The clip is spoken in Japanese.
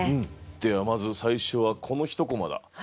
ではまず最初はこの１コマだ。